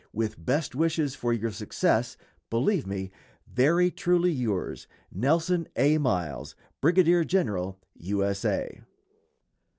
With best wishes for your success, believe me, Very truly yours, NELSON A. MILES, _Brigadier General U. S. A.